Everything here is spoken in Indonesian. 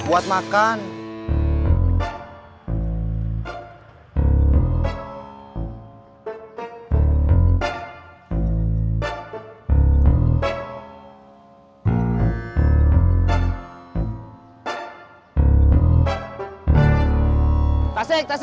cerbat cerbat cerbat